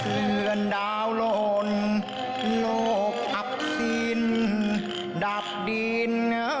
เผื่อนดาวโลนโลกอับซีนดับดีน